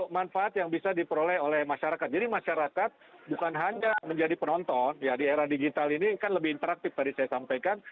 manfaat yang bisa diperoleh oleh masyarakat jadi masyarakat bukan hanya menjadi penonton ya di era digital ini kan lebih interaktif tadi saya sampaikan